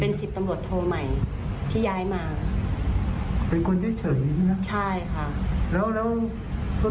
เป็นสิบตำลวดโทษใหม่ที่ย้ายมาเป็นคนที่เฉยใช่ไหมใช่ค่ะ